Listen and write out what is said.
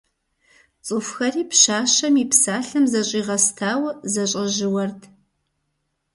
ЦӀыхухэри пщащэм и псалъэм зэщӀигъэстауэ, зэщӀэжьууэрт.